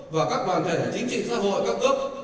và các đoàn thể chính trị xã hội các cấp